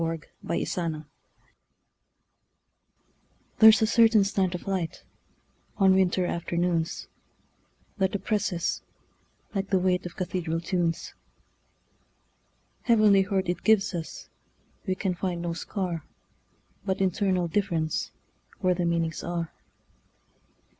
Part Two: Nature LXXXII THERE'S a certain slant of light, On winter afternoons, That oppresses, like the weightOf cathedral tunes. Heavenly hurt it gives us; We can find no scar, But internal differenceWhere the meanings are.